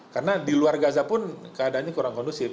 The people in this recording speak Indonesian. karena di luar gaza pun keadaannya kurang kondusif